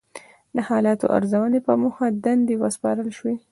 د حالاتو د ارزونې په موخه دندې وسپارل شوې.